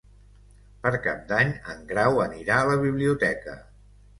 Per Cap d'Any en Grau anirà a la biblioteca.